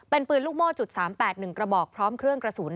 เป็นปืนลูกโม่จุด๓๘๑กระบอกพร้อมเครื่องกระสุน